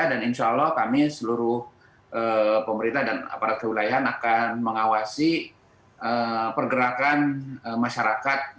dan insyaallah kami seluruh pemerintah dan aparat kewilayahan akan mengawasi pergerakan masyarakat